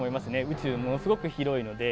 宇宙ものすごく広いので。